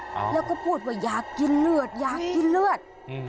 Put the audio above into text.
แล้วก็พูดว่าอยากกินเลือดอยากกินเลือดอืม